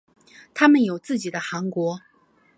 他们有自己的汗国。